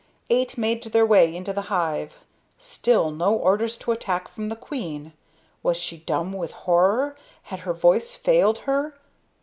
Eight made their way into the hive. Still no orders to attack from the queen. Was she dumb with horror, had her voice failed her?